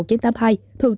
thường trú thị trường